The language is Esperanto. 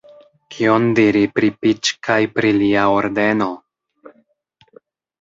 Kion diri pri Piĉ kaj pri lia Ordeno?